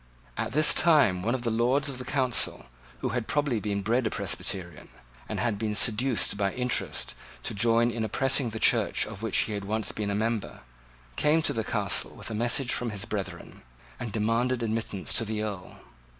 At this time one of the Lords of the Council, who had probably been bred a Presbyterian, and had been seduced by interest to join in oppressing the Church of which he had once been a member, came to the Castle with a message from his brethren, and demanded admittance to the Earl.